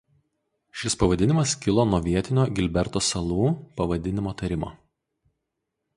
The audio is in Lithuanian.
Šis pavadinimas kilo nuo vietinio Gilberto salų pavadinimo tarimo.